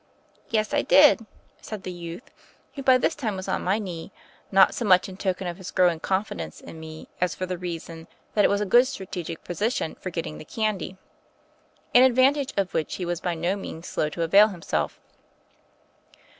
"Yes, I did," said the youth, who by this time was on my knee, not so much in token of his growing confidence in me as for the reason that it was a good stcategic position for getting the candy, an advantage of which he was by no means slow to avail himself.